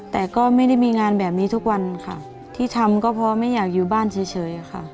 แต่ก็ไม่ได้มีงานแบบนี้ทุกวันค่ะที่ทำก็เพราะไม่อยากอยู่บ้านเฉยค่ะ